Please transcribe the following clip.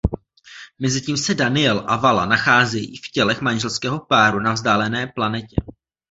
Mezitím se Daniel a Vala nacházejí v tělech manželského páru na vzdálené planetě.